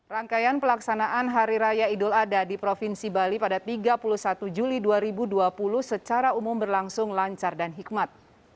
rangkaian pelaksanaan hari raya idul adha di provinsi bali pada tiga puluh satu juli dua ribu dua puluh secara umum berlangsung lancar dan hikmat